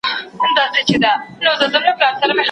تر څو به له پردیو ګیله مني لرو ژبي